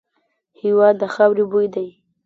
هېواد د خاوري بوی دی.